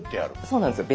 そうなんですよ。